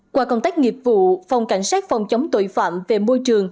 qua công tác nghiệp vụ phòng cảnh sát phòng chống tội phạm về môi trường